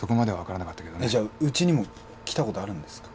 じゃウチにも来たことあるんですか？